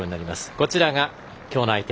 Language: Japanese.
こちらがきょうの相手